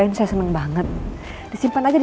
ini bubur kacang ijo yang paling enak yang pernah saya coba